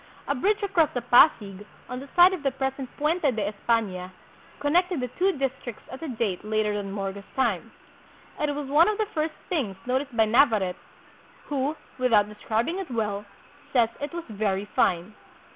A bridge across the Pasig, on the site of the present Puente de Espana, connected the two districts at a date later than ^Morga's time. It was one of the first things noticed by Navarrete, who, without describing it well, says it was very fine.